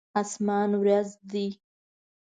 اسمان وريځ دی.